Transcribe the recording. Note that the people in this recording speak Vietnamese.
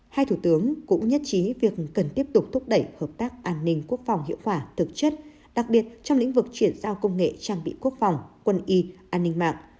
hai thủ tướng cũng nhất trí việc cần tiếp tục thúc đẩy hợp tác an ninh quốc phòng hiệu quả thực chất đặc biệt trong lĩnh vực chuyển giao công nghệ trang bị quốc phòng quân y an ninh mạng